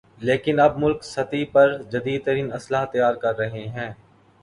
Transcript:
لیکن اب ملک سطحی پر جدیدترین اسلحہ تیار کررہے ہیں